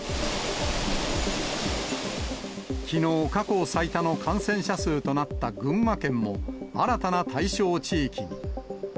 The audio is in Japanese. きのう、過去最多の感染者数となった群馬県も、新たな対象地域に。